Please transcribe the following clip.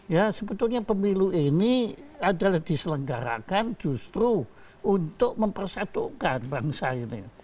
ya sebetulnya pemilu ini adalah diselenggarakan justru untuk mempersatukan bangsa ini